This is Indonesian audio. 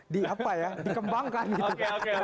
dikembangkan oke oke